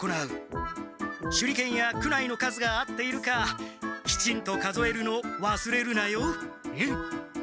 手裏剣や苦無の数が合っているかきちんと数えるのわすれるなよ。